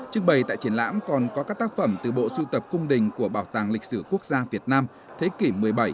trưng bày tại triển lãm còn có các tác phẩm từ bộ sưu tập cung đình của bảo tàng lịch sử quốc gia việt nam thế kỷ một mươi bảy